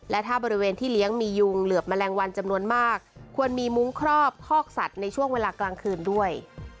และถ้าบริเวณที่เลี้ยงมียุงเหลือบแมลงวันจำนวนมากควรมีมุ้งครอบคอกสัตว์ในช่วงเวลากลางคืนด้วย